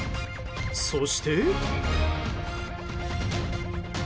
そして。